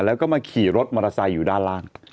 แล้วก็มาขี่รถมอเตอร์ไซค์อยู่ด้านล่าง